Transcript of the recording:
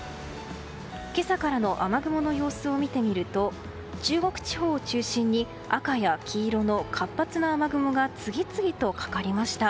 今朝からの雨雲の様子を見てみると中国地方を中心に赤や黄色の活発な雨雲が次々とかかりました。